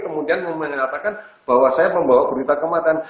kemudian mengatakan bahwa saya membawa berita kematian